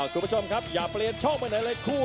คุณผู้ชมครับอย่าเปลี่ยนช่องไปไหนเลยคู่